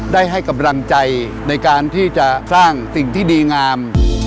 ได้ให้กำลังใจในการที่จะสร้างสิ่งที่ดีงาม